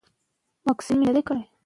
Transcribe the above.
واکسن د وبا د کنټرول وسیله ده.